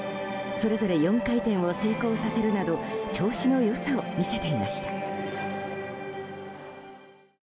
それぞれ４回転を成功させるなど調子の良さを見せていました。